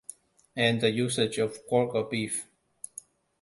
And the usage of pork or beef.